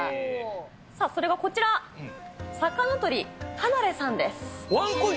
それがこちら、肴とり、はなれさんです。